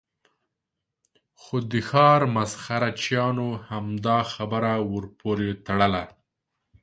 خو د ښار مسخره چیانو همدا خبره ور پورې تړله.